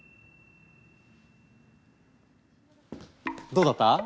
どうだった？